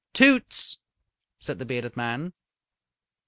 "Toots!" said the bearded man.